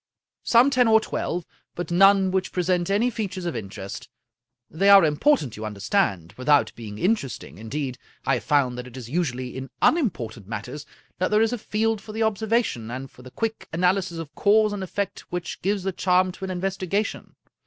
" Some ten or twelve, but none which present any fea tures of interest. They are important, you understand, 43 Scotch Mystery Stories without being interesting. Indeed I have found that it is usually in unimportant matters that there is a field for the observation, and for the quick analysis of cause and effect which gives the charm to an investigation.